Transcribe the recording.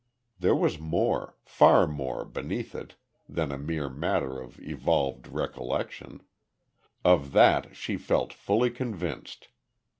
There was more, far more beneath it than a mere matter of evolved recollection; of that she felt fully convinced.